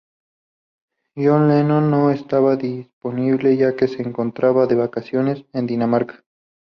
John Lennon no estaba disponible ya que se encontraba de vacaciones en Dinamarca.